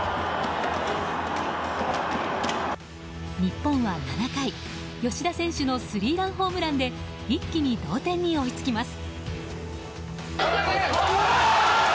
日本は７回、吉田選手のスリーランホームランで一気に同点に追いつきます。